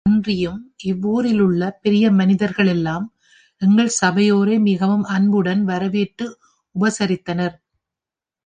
அன்றியும் இவ்வூரிலுள்ள பெரிய மனிதர் களெல்லாம் எங்கள் சபையோரை மிகவும் அன்புடன் வரவேற்று உபசரித்தனர்.